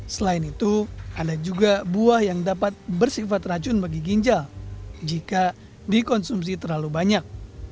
selain itu ada juga buah yang dapat bersifat racun bagi ginjal jika dikonsumsi terlalu banyak